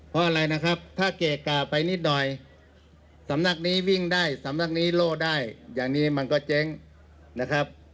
เพราะอะไรนะครับถ้าเกะกะไปนิดหน่อยสำนักนี้วิ่งได้สำนักนี้โล่ได้อย่างนี้มันก็เจ๊งนะครับ